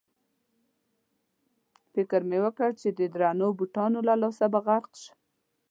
فکر مې وکړ چې د درنو بوټانو له لاسه به غرق شم.